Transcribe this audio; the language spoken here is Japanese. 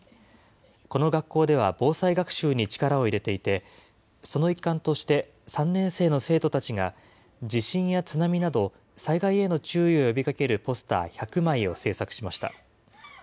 この学校では防災学習に力を入れていて、その一環として３年生の生徒たちが、地震や津波など災害への注意を呼びかけるポスター１００枚を制作しました。